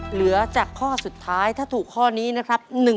เหลือจากข้อสุดท้ายถ้าถูกข้อนี้นะครับ